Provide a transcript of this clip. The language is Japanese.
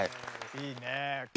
いいね。